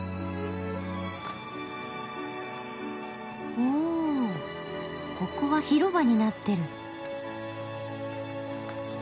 ほぉここは広場になってる。